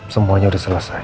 semuanya sudah selesai